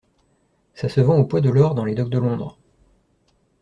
Ça se vend au poids de l'or dans les docks de Londres!